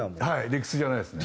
理屈じゃないですね。